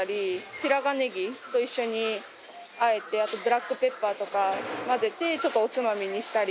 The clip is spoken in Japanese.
白髪ネギと一緒にあえてあとブラックペッパーとか混ぜてちょっとおつまみにしたり。